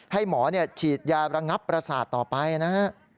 ให้หมอฉีดยาระงับประสาทต่อไปนะฮะ